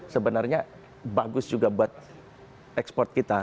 sebenarnya bagus juga buat ekspor kita